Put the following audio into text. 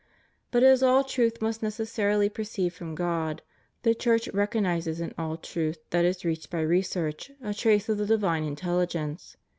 But as all truth must necessarily proceed from God, the Church recognizes in all truth that is reached by research, a trace of the divine intelligence.